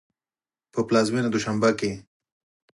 په پلازمېنه دوشنبه کې